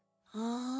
ああ。